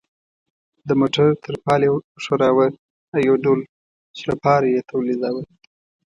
د موټر ترپال یې ښوراوه او یو ډول سړپاری یې تولیداوه.